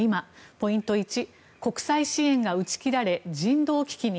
ポイント１、国際支援が打ち切られ人道危機に。